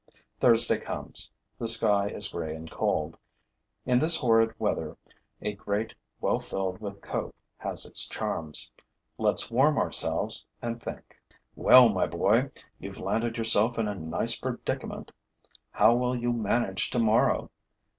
Thursday comes. The sky is gray and cold. In this horrid weather, a grate well filled with coke has its charms. Let's warm ourselves and think. Well, my boy, you've landed yourself in a nice predicament! How will you manage tomorrow?